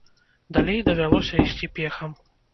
Далей давялося ісці пехам.